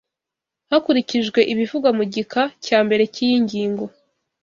hakurikijwe ibivugwa mu gika cya mbere cy’ iyi ngingo